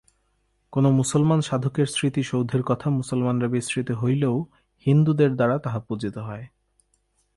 কোন মুসলমান সাধকের স্মৃতিসৌধের কথা মুসলমানরা বিস্মৃত হইলেও হিন্দুদের দ্বারা তাহা পূজিত হয়।